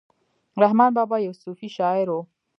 رحمان بابا یو صوفي شاعر ؤ